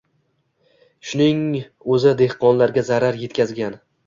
Shuning o‘zi dehqonlarga zarar yetkazgan.